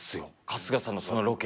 春日さんのロケ。